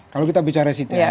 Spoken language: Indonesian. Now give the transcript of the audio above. kalau kita bicara cti